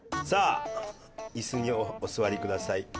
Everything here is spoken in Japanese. さあ椅子にお座りください。